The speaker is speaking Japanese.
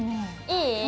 いい？